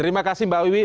terima kasih mbak wiwi